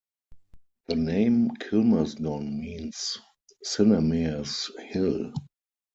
The name Kilmersdon means 'Cynemaer's Hill'.